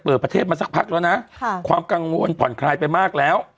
เปิดประเทศมาสักพักแล้วนะความกังวลผ่อนคลายไปมากแล้ว